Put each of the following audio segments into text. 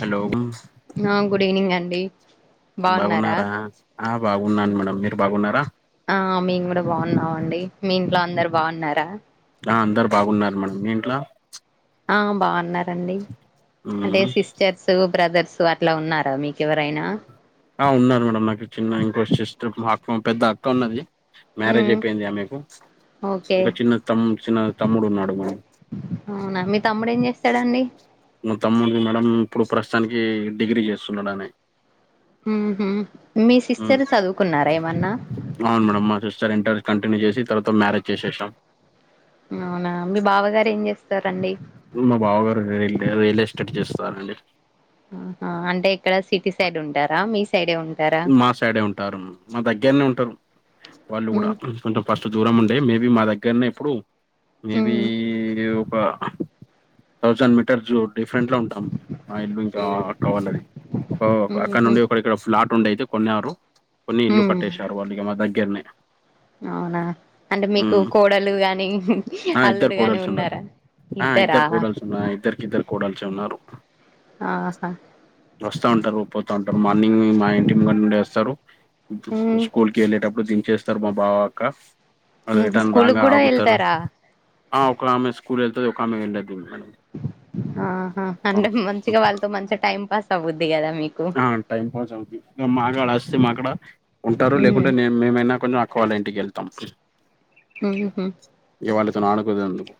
Hello ఆ good evening అండి. బాగున్నారా? ఆ బాగున్నాను మేడం. మీరు బాగున్నరా? ఆ మేము కూడా బాగున్నామండి. మీ ఇంట్లో అందరు బాగున్నారా? ఆ అందరూ బాగున్నారు మేడం. మీ ఇంట్ల ఆ బాగున్నారండి అంటే మ్మ్ సిస్టర్స్ ర్స్, బ్రదర్స్ అట్లా ఉన్నారా మీకెవరైనా. ఆ ఉన్నారు మేడమ్ నాకు చిన్న ఇంకో సిస్టర్ మా అక్క పెద్ద అక్క ఉన్నది. మ్యారేజ్ ఉమ్ అయిపోయింది ఆమెకు ఓకే ఇంకా చిన్న తమ్ చిన్న తమ్ముడు ఉన్నాడు మేడం. అవునా మీ తమ్ముడు ఏం చేస్తాడండీ మా తమ్ముడు మేడం ఇప్పుడు ప్రస్తుతానికి డిగ్రీ చేస్తున్నాడాని మ్మ్ఉహ్మ్ మీ మ్మ్ సిస్టర్ చదువుకున్నారా ఏమన్నా అవును మేడం మా సిస్టర్ ఇంటర్ కంటిన్యూ చేసి తర్వాత మ్యారేజ్ చేసేసాం అవునా మీ బావగారు ఏం చేస్తారండి మా బావగారు రిల్ రియల్ ఎస్టేట్ చేస్తారండి ఆహా అంటే ఎక్కడ సిటీ సైడ్ ఉంటారా మీ సైడే ఉం మా సైడే ఉంటారు మా దగ్గరనే ఉంటరు వాళ్ళు కూడా ఉమ్ కొంచెం ఫస్ట్ దూరం ఉండే మేబీ మా దగ్గరనే ఇప్పుడు మేబి ఉమ్ ఒక థౌజండ్ మీటర్ జోన్ డిఫరెంట్‌లో ఉంటాం మా ఇల్లు ఇంకా ఉమ్ అక్క వాళ్ళది ఒక అక్కడ ఉహు నుండి ఒక ఇక్కడ ఫ్లాట్ రెండైతే కొన్నారు కొని ఉమ్ ఇల్లు ఉమ్. కట్టేసారు వాళ్ళు ఇగా మా దగ్గర్నే అవునా అంటే మీకు కోడలు గాని ఆ ఇద్దరు అల్లుడు గాని కోడల్స్ ఉన్నారు ఉన్నారా ఆ ఇద్దరా ఇద్దరు కోడల్స్ ఉన్నారు ఇద్దరికి ఇద్దరు కోడల్స్ ఉన్నారు ఆహా వస్తా ఉంటరు పోతా ఉంటరు మార్నింగ్ మా ఇంటి ముంగట నుండే వస్తారు ఉమ్, స్కూల్ కి ఎళ్ళేటప్పుడు దించేస్తారు మా బావా అక్క మల్ల ఉమ్, రిటర్న్ స్కూల్కి రాంగా కూడా ఆగుతారు వెళ్తారా ఆ ఒక ఆమె స్కూల్ ఎళ్తది ఒక ఆమె వేళ్ళదు మేడం ఆహా అంటే మంచిగా వాళ్ళతో మంచిగా టైం పాస్ అవుద్ది కదా మీకు ఆ టైం పాస్ అవుద్ది మాకాడ అస్తే మాకాడ ఉంటారు లేకుంటే నేను మేమైనా కొనీ అక్కవాల్ల ఇంటికి వెళ్తాం మ్మ్ఉహ్మ్ ఇగ వాళ్ళతోని ఆడుకునేందుకు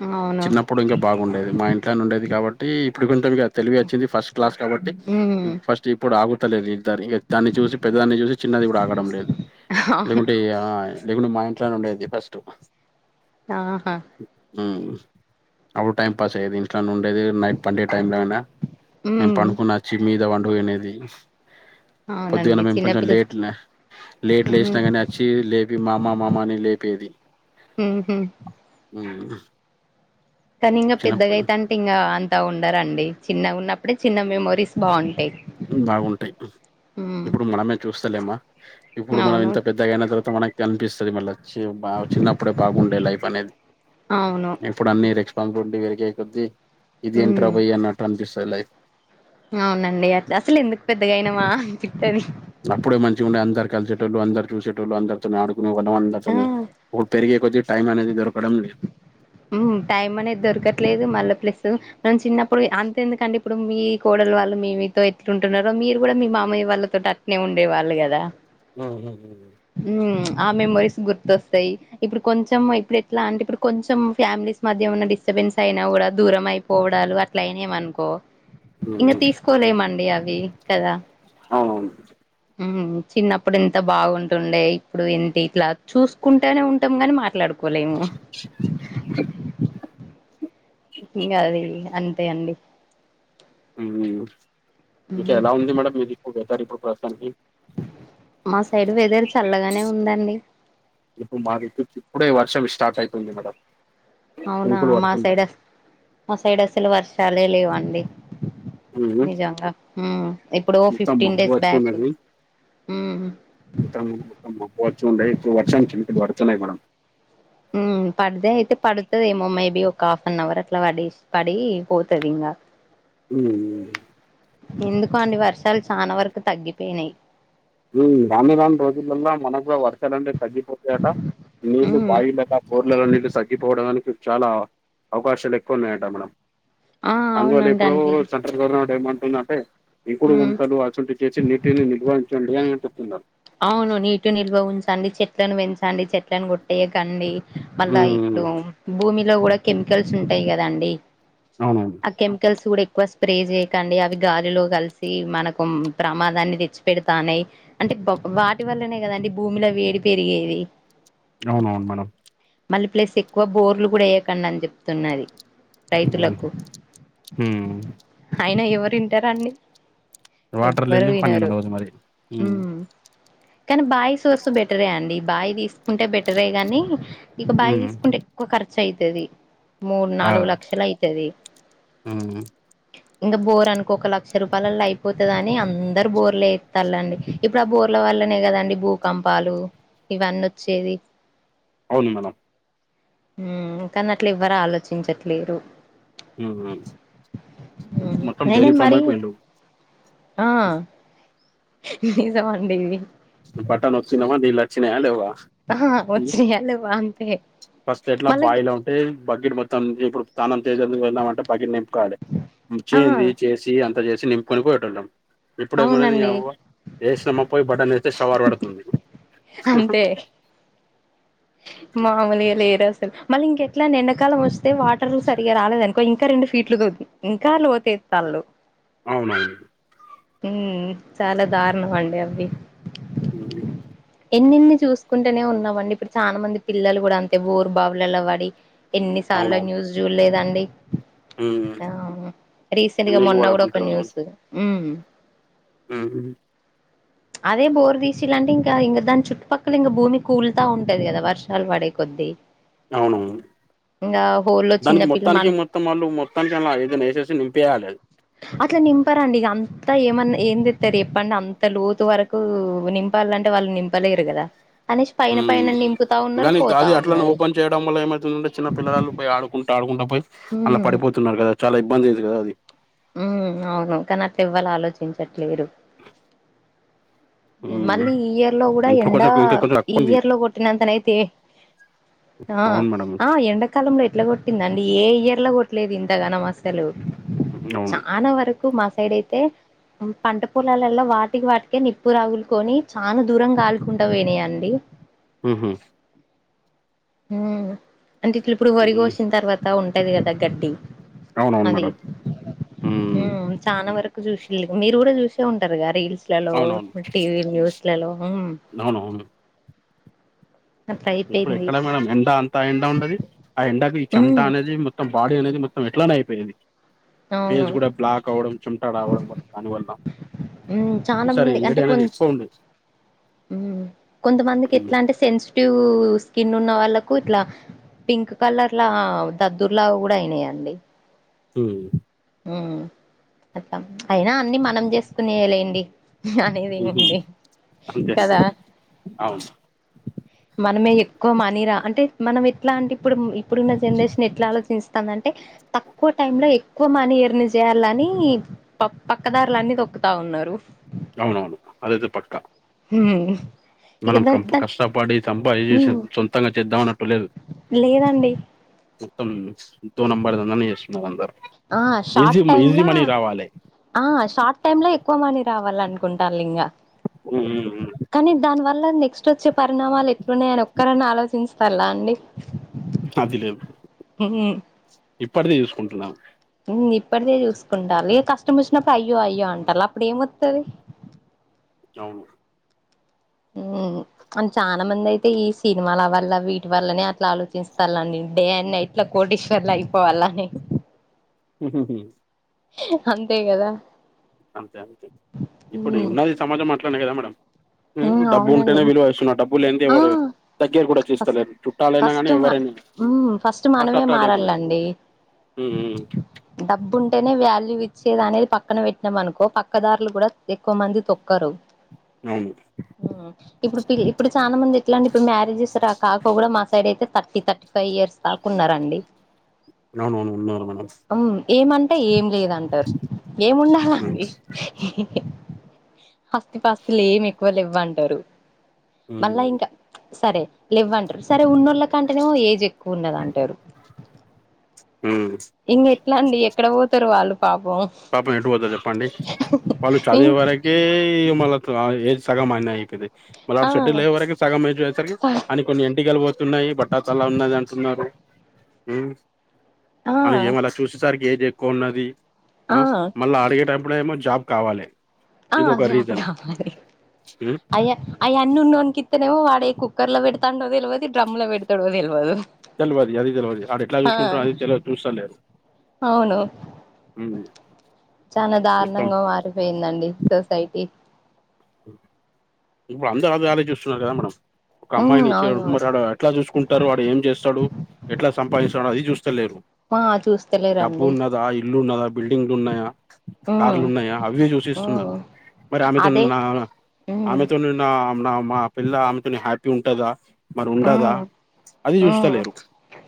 ఉమ్మ్ అ చిన్నప్పుడు ఇంకా బాగుండేది మా ఇంట్లోనే ఉండేది కాబట్టి ఇప్పుడు కొంచం ఇగ తెలివి వచ్చింది ఫస్ట్ క్లాస్ కాబట్టి ఉమ్మ్ ఫస్ట్ ఇప్పుడు ఆగుతలేదు ఇద్దరు ఇగ దాన్ని చూసి పెద్దదాన్ని చూసి చిన్నది కూడా ఆగడం లేదు అవును. లేకుంటే ఆ లేకుంటే మా ఇంట్లోనే ఉండేది ఫస్ట్ ఆహా ఉమ్మ్ అప్పుడు టైంపాస్ అయ్యేది ఇంట్లోనే ఉండేది నైట్ పండే టైంలో అయినా నేను ఉమ్, పండుకున్న వచ్చి మీద పండుకునేది అవునండి పొద్దుగాన్న మేము కొంచెం చిన్నపిల్ల లేట్ న లేట్ ఉమ్, లేసినా గాని అ చ్చి లేపి మామా మామా అని లేపేది మ్మ్ఉమ్మ్ ఉమ్మ్ కానీ ఇంగ పెద్దగా అయితాంటే ఇంగా అంతా ఉండారండి చిన్నగా ఉన్న ప్పుడే చిన్న మెమోరీస్ బాగుంటాయ్ బాగుంటాయి ఉమ్మ్ ఇప్పుడు మనమే చూస్తలేమా ఇప్పుడు మనం ఇంత పెద్దగాయిన తర్వాత మనకి కనిపిస్తది మళ్ళచ్చి బా చిన్నప్పుడే బాగుండే లైఫ్ అనేది అవును ఇప్పుడు అన్ని రెస్పాన్సిబిలిటీ పెరిగే కొద్దీ ఇదేంట్రా ఉమ్. బయ్ అనట్టు అనిపిస్తాది లైఫ్ అవునండి అట్లా అసలేందుకు పెద్దగా అయినామా అనిపిత్తాది అప్పుడే మంచిగుండే అందరు కలిసేటోళ్ళు అందరు చూసేటోళ్ళు అందరు తోని ఆడుకునే వాళ్ళం ఆ అందరితోని పెరిగే కొద్దీ టైం అనేది దొరకడం లేదు ఉమ్మ్ టైం అనేది దొరకట్లేదు మళ్ళా ప్లసూ మనం చిన్నప్పుడు అంత ఎందుకండి ఇప్పుడు మీ కోడలు వాళ్ళు మీతో ఎట్లుంటాన్నారో మీరు కూడా మీ మామయ్య వాళ్ళతోటి అ టనే ఉండేవాళ్ళు గదా ఉహుహు ఉమ్ ఆ మెమోరీస్ గుర్తొస్తాయి ఇప్పుడు కొంచెం ఇప్పుడు ఎట్లా అంటే ఇప్పుడు కొంచెం ఫ్యామిలీస్ మధ్య ఉన్న డిస్టర్బెన్స్ అయినా కూడా దూరం అయిపోవడాలు అట్ల ట్లయినామనుకో ఇంక తీసుకోలేమండి అవి కదా అవును చిన్నప్పుడు ఎంత బాగుంటుండే ఇప్పుడు ఎంటి ఇట్లా చూసుకుంటేనే ఉంటాం గాని మాట్లాడుకొ కొలేము ఇంగ అది అంతే అండి ఇంక ఎలా ఉంది మేడంమ్ మీది ఇప్పుడు వెదర్ ఇప్పుడు ప్రస్తుతానికి మా సైడ్ వెదర్ చల్లగానే ఉందండి ఇప్పుడు మాది ఇప్పుడే వర్షం స్టార్ట్ అయితుంది మేడం అవునా చినుకులు మా పడుతున్నాయి సైడ్ అస మా సైడ్ అసలు వర్షాలే లేవండి ఉమ్, నిజంగా ఎప్పుడో మొత్తం ఫిఫ్టీన్ మబ్బు డేస్ వచ్చి బ్యాక్ ఉమ్ ఇక్కడ మొత్తం మబ్బు వచ్చిండే ఇప్పుడు వర్షం చినుకులు పడుతున్నాయి మేడం మ్ పడిదె అయితే పడుతదెమో మేబీ ఒక హాఫ్ అన్ అవర్ అట్లా పడెసి పడి పోతది ఇగ ఉ ఎందుకో అండి వర్షాలు చానా వరకు తగ్గిపోయినాయి ఉ రాను రాను రోజులల్లో మనకు కూడా వర్షాలనేవి తగ్గిపోతాయట నీళ్లు ఉమ్ బాయిలు బోర్లలో నీళ్లు తగ్గిపోవడానికి చాలా అవకాశాలు ఎక్కువ ఉన్నాయట మేడమ్ ఆ అందువల్ల ఎప్పుడో అవునంటండి ఉమ్ [unintelligible] అవును నీటిని నిల్వ ఉంచండి చెట్లను పెంచండి చెట్లను కొట్టేయకండి మళ్ళా ఉమ్, ఇప్పుడు భూమిలో కూడా కెమికల్స్ ఉంటాయి కదండి అవునండి ఆ కెమికల్స్ కూడా ఎక్కువ స్ప్రే చేయకండి అవి గాలిలో కలిసి మనకు ప్రమాదాన్ని తెచ్చు పెడతానయి అంటే వాటి వల్లనే కదండి భూమిలో వేడి పెరిగేది అవునవును మేడమ్ మళ్ళీ ప్లస్ ఎక్కువ బోర్లు కూడా వేయ్యకండి అని చెప్తున్నది ఉమ్, రైతులకు ఉమ్. అయిన ఎవరింటారండీ వాటర్ ఎవ్వరు లేని పని వినరు నడవదు మరి ఉమ్ కానీ బాయి సోర్స్ బెటరే అండి బాయి తీసుకుంటే బెటరే గాని ఇక బాయి ఉమ్, తీసుకుంటే ఎక్కువ ఖర్చు అయితది మూడు ఆ, నాలుగు లక్షలు అయితది ఉమ్. ఇంకా బోర్ అనుకో ఒక లక్ష రూపాయలలో అయిపోతది అని అందరు బోర్లు ఎత్తుల్లు అండి ఇప్పుడు ఆ బోర్ బోర్ల వల్లనే కదండి భూకంపాలు ఇవన్నీ వచ్చేది అవును మేడమ్ ఉమ్ కాని అట్లా ఎవ్వరు ఆలోచించట్లేరు ఉహూ ఉమ్ మొత్తం అయినా డైలీ ఫామ్ మరి అయిపోయిండు ఆ నిజమండి ఇది బటన్ నొక్కినమా నీళ్లొచ్చినయా లేవా ఆహా వచ్చినియ్య లేవ అంతే ఫస్ట్ ఎట్లా బాయిలో బకెట్ మొత్తం ఇప్పుడు స్నానం చేసేందుకు వెళ్దామంటే బబకెట్ నింపు కాలే ఆ చేయింది చేసి అంత చేసి నింపుక పోయేటోలం ఇప్పుడేమున్నాది నీ అవునండి అవ్వ ఏసినమ్మ పోయి బటన్ వేస్తే షవార్ పడుతుంది అంతే మామూలుగా లేరు అసలు మళ్ళీ ఇంకెట్లనండి ఎడాకాలం వస్తే వాటర్లు సరిగా రాలేదునుకో ఇం ఇంకా రెండు ఫీట్లు [unintelligible] ఇంకా లోతే తాళ్లు అవునవును ఉమ్ చాలా దారుణం అండి అవి ఉమ్ ఎన్ని ఎన్ని చూసుకుంటేనే ఉన్నామండి ఇప్పుడు చాలా మంది పిల్లలు కూడా అంతే బోరు బావులలా పడి ఎన్నిసార్లు అవునవును న్యూస్ జూల్ లేదండి ఉమ్ ఆ రీసెంట్గా నీళ్ళు మొన్న కూడా పడకుంటే ఒక వాళ్ళం న్యూస్ ఉమ్ ఉమ్ హు అదే బోర్ తీసిలంటే ఇంకా ఇంక దాని చట్టుపక్కల ఇంకా భూమి కూలుతా ఉంట ఉంటాది కదా వర్షాలు పడే కొద్ది అవునవును ఇక హోల్ లో చిన్న దానికి పిల్లలు మన మొత్తానికి మొత్తం వాళ్ళు మొత్తం చల ఇదైనా వేసేసి నింపేయాలి అట్లా నింపరాండి ఇక అంతా ఏమన్నా ఏం తిస్తారు చెప్పండి అంత లోతు వరకు కు నింపాలంటే వాళ్ళు నింపలేరు కదా కనీష్ప పైన ఉమ్ పైన నింపుతా ఉన్నారు కానీ పోతా అది అట్లనే ఉన్నారు ఓపెన్ చేయడం వల్ల ఏమైతుందంటే చిన్న పిల్లలు పోయి ఆడుకుంట ఆడుకుంటా పోయి అలా ఉమ్ పడిపోతున్నారు కదా చాలా ఇబ్బంది అయింది కదా అది ఉమ్ అవును కానీ అట్లా ఏవ్వరు ఆలోచించట్లేరు ఉమ్ మళ్ళీ ఈ ఇయర్ లో కూడా ఇప్పుడు ఎండ కొంచెం ఇంకా కొంచెం ఈ తక్కువ ఉంది ఇయర్ లో కొట్టినంతనైతే ఆ అవును మేడం ఆ ఎండక్ కాలంలో ఎట్లా కొట్టింద అండి ఏ ఇయర్ లో కొట్టలేదు ఇంతగాన అస్సలు అవును చాలా వరకు మా సైడ్ అయితే పంట పొలాల్లో వాటికి వాటికే నిప్ ప్పు రగులుకొని చాలా దూరం కాలుకుంట పోయినయండి ఉహూ ఉహూ అంటే ఇప్పుడు వరి కోసిన తర్వాత ఉంటది కదా గడ్డి అవునవును అది మేడం ఉమ్ చాాలా వరకు చూసిల్లు మీరు కూడా చూసే ఉంటారుగా రీల్స్ లలో టీవీ న్యూస్ లలో అవునువును అట్లా ఇప్పుడు అయిపోయింది ఎక్కడ మేడం ఎండ త్త ఎండా ఉండది ఆ ఎండాకి ఈ చెమటా ఉమ్ అనేది మొత్తం బాడీ అనేది మొత్తం ఎట్లానే అయిపోయేది అవును ఫేజ్ కూడా బ్లాక్ అవడం చెమట రావడం దానివల్ల హ్మ్ చాలా మంది అంటే కొన్ హుమ్ కొంతమందికి ఉమ్ ఎట్లా అంటే సెన్స్ ట్యూ స్కిన్ ఉన్న వాళ్ళకు ఇట్లా పింక్ కలర్లా దద్దుర్లా కూడా అయినాయండి హ్మ్ హ్మ్ అయినా అన్ని మనం చేసుకునేలేండి ఉహు అనేదిముంది అంతే అంతే కదా అవును మనమే ఎక్కువ మనీరా అంటే మనం ఎట్లా అంటే ఇప్పుడు ఇప్పుడున్న జనరేషన్ ఎట్లా ఆలోచించస్త అంటే తక్కువ టై లో ఎక్కువ మనీ ఎర్ని చేయాలని పక్ పక్కదారులన్ని తొక్కుతా ఉన్నారు అవునను అదైతే పక్కా హూ మనం కం కష్టపడి సంపాయిసి హ్మ్ సొంతంగా చేద్దామన్నట్టు లేదు లేదండి మొత్తం దోనంబదందనే చేస్తున్నా అందారు ఆ షార్ట్ టైమ్లా ఆ షార్ట్ టైమ్ లో ఎక్కువ మనీ రావాల అనుకుంటారు లింకా హ్మ్ కానీ దాని వల్ల నెక్స్ట్ వచ్చే పరిణామాలు ఎట్లున్నాయని ఒక్కరన్న ఆలోచించటంలా అండి అది లేదు హ్మ్ ఇప్పటిదే చూసుకుంటున్నాను ఇప్పటిదే చూసుకుంటాలి కష్టం వచ్చినప్పుడు అయ్యో అయ్యో అంటారు అప్పుడు ఏమోత్తది అవును హ్మ్ అం చాలా మంది అయితే ఈ సినిమాల వల్ల వీటి వల్లనే అట్లా ఆలోచిస్తారుండి డే అండ్ నైట్ ఇట్లా కోటీశ్వరులు అయిపోవాలని ఊహూ హూ అంతే కదా అంతే అంతే ఇప్పుడు ఉన్నది సమాజం అట్లానే కదా మేడం డబ్బు అవునండి ఉంటేనే విలువ ఇస్తున్నా డబ్బులు లేనిదే ఆ ఇవ్వరు దగ్గర కూడా ఫస్ట్ చూస్తలేరు చుట్టాలైనా కానీ ఫస్ట్ మా ఎవరైనా ఫస్ట్ మనమే ఫస్ట్ట లేకుండా మారాలండి హ్మ్ మ్మ్ డబ్బు ఉంటేనే వాల్యూ ఇచ్చేది అనేది పక్కన పెట్టినాం అనుకో పక్కదారులు కూడా ఎక్కువ మంది తొక్కరు అవును ఇప్పుడు పి ఇప్పుడు చాలా మంది ఎట్లా అండి ఇప్పుడు మ్యారేజ్ కాక కూడా మా సైడ్ అయితే థర్టీ థర్టీ ఫైవ్ ఇయర్స్ దాకున్నారండి అవునవును ఉన్నారు మేడం హ్మ్ ఏమంటే ఏం లేదంటారు ఏముండాలండి ఉమ్, ఆస్తి పాస్తులు ఏమి ఎక్కువ లెవ్వంటారు మళ్ళా ఉమ్, ఇంకా సరే లేవ్వంటారు సరే ఉన్నోళ్ళ కంటేనే ఏజ్ ఎక్కువ ఉన్నదంటారు హ్మ్ ఇంక ఎట్లాండి ఎక్కడ పోతారు వాళ్ళు పాపం పాపం ఎటు పోతారు చెప్పండి వాళ్ళు ఇం చదివేవారై ఏయ్ మళ్ళ ఏజ్ సగం అయిన అయితది మళ్ళ ఆ ఆళ్ళు సెటిల్ అయ్యే వరకి సగం చేసారు అని కొన్ని వెంటుకలు పోతున్నాయి బట్టతల ఉన్నది అంటున్నారు హ్మ్ ఆ ఏమలా చూసేసరికి ఏది ఎక్కువ ఉన్నది ఆ మళ్ళా అడిగే టైపు లో ఏమో జాబ్ కావాలి ఆ ఇది ఒక జాబు రీజన్ కావాలి ఉమ్, అయ్యా అయన్నీ ఉన్నోనికి ఇత్తనేమో వాడే కుక్కర్ లో పెడతాండో తెలవదు డ్రమ్ లో పెడతడో తెలవదు తెల్వదు అది తెల్వదు ఆడు ఎట్లా చూసుకుంటడో అది తెల్వదు చూస్తాంటే చాలా మొత్తం దారుణంగా మారిపోయిందండి సొసైటీ ఇప్పుడు అందరు వాళ్ళదే వాలే చూస్తున్నారు కదా మేడం ఒక ఉమ్ అమ్మాయిని ఇచ్చేపుడు అవును మరి ఆడు ఎట్లా చూసుకుంటారు వాడు ఏం చేస్తాడు ఎట్లా సంపాదిస్తాడో అది చూస్తలేరు ఆ డబ్బు చూస్తలేరండి ఉన్నదా ఇల్లున్నదా బిల్డింగ్లు ఉన్నాయా ఉమ్ కార్లు ఉన్నాయా అవి ఉమ్ చూసిస్తున్నారు మరి ఆమెతో అదే నా ఉమ్ ఆమెతో నా నా మా పిల్ల ఆమెతో హ్యాపీ ఉంటదా మరి ఉండదా ఉమ్ అది చూస్తా ఉమ్ లేరు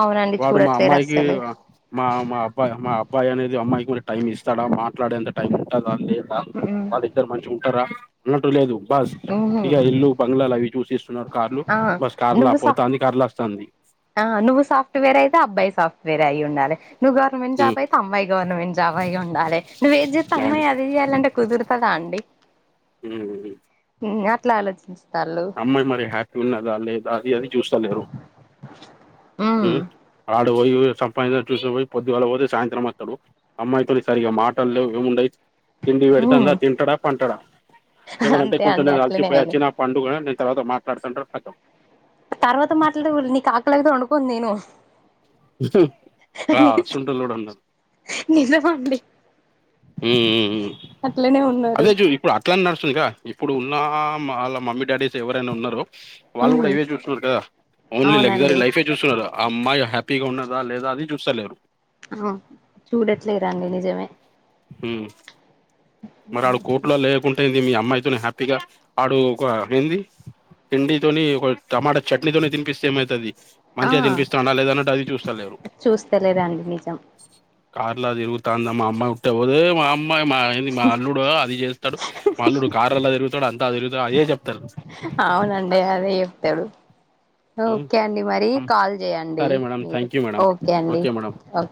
అవునండి వాడు మా చూడట్లేరు అమ్మాయికి అస్సలు మా మా అబ్బాయి మా అబ్బాయి అనేది అమ్మాయికి కూడా టైమ్ ఇస్తాడా మాట్లాడేంత టైం ఉంటద లేదు ఉమ్ వాళ్ళిద్దరు మంచిగ ఉంటారా అన్నట్టు లేదు బస్ ఉహు ఇక ఇల్లు బంగ్లాలు అవి చూసి కార్లు ఆ బస్ కార్లా నువ్వు సా పోతంది కార్లా వస్తాంది ఆ నువ్వు సాఫట్వేర్ అయితే అబ్బాయి సాఫ్ట్వేర్ అ్య ఉండాలి నువ్వువర్నమెంట్ జాబ్ అయితే అమ్మాయి గవర్నమెంట్ జాబ్ అయఉండాలి నువ్వు ఏది చేస్తా అవును అమ్మాయి అది చెయాలంటే కుదురుతుదా అండి ఉహు నువ్వే అట్లా ఆలోచిస్తాలు అమ్మాయి మరి హ్యాపీ ఉన్నదా లేదా అది అది చూస్తలేరు ఉమ్ ఉహ్ ఆడ పోయి సంపా చూసి పోయి పొద్దు వాళ్ల పోతే సాయంత్రం వస్తాడు అమ్మాయితో సరిగా మాటల్లో ఏముండయి తిండి పెడితే ఉమ్ అందా తింటడా పంటడా ఎవడంటే అంతే కొంచెం అండి అట్లనే ఆయన అలిచిపోయాచ్చిన పండుకున్ నేను తర్వాత మాట్లాడుతుండ్ర కతం తర్వాత మాట్లాడే నీకు కాకలదతే వండుకోను తిను [unintelligible] నిజమాండి ఉఉ అట్లానే ఉ అదే చూ ఇప్పుడు అట్లానే నడుస్తుందిగా ఇప్పుడు ఉన్న మ వాళ్ళ మమ్మీ డాడీస్ ఎవరైనా ఉన్నారో వాళ్ళు కూడా ఉమ్ ఇవే చూస్తురు కదా ఓన్లీ అవునండి లాగ్జరి లైఫే చూస్తున్నారు ఆ అమ్మాయి హ్యాపీగా ఉన్నదా లేదా అది చూస్తలేరు అ చూడట్లేరే రండి నిజమే ఉ మరి ఆడు కోర్టులో లేకుంటేంది మీ అమ్మాయితో హ్యాపీగా ఆడు ఒక ఏంది తిండి తోని ఒక టమాటా చట్నీతోని తిపిస్తే ఏమవుతుంది ఆ మంచిగా తినిపిస్తుడా లేదన్నట్టు అది చూస్త లేరు చూస్తలేరండి నిజం కార్లా తిరుగుతాంద మా అమ్మాయి విట్టపోదు మాఅమ్మాయి మా మా అల్లుడు అది చేస్తాడు అల్లుడు కారులా తిరుగుతాడు అంతా తిరుగుతాడు అదే చెప్తారు అవునండి అది చేప్తాడు ఓకే అండి మరి కాల్ చేయండి సరే మేడం మీరు థ్యాంక్ యూ మేడం ఓకే అండి మేడం ఓ